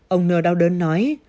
ông n đau đớn nói